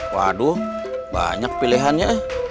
waduh banyak pilihan ya